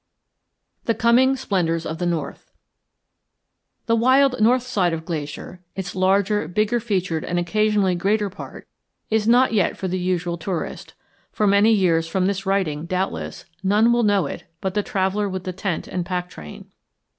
THE COMING SPLENDORS OF THE NORTH The wild north side of Glacier, its larger, bigger featured, and occasionally greater part, is not yet for the usual tourist; for many years from this writing, doubtless, none will know it but the traveller with tent and pack train.